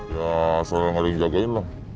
ya selalu harus dijagain lah